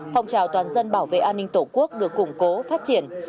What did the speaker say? phong trào toàn dân bảo vệ an ninh tổ quốc được củng cố phát triển